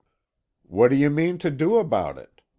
"What do you mean to do about it?"